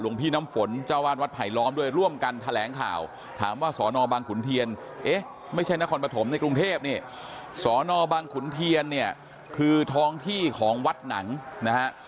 นี่สอนอบังขุนเทียนเนี่ยคือทองที่ของวัดหนังนะฮะ